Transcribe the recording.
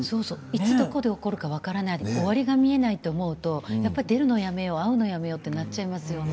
いつどこで起こるか分からないで終わりが見えないと思うとやっぱ出るのやめよう会うのやめようってなっちゃいますよね。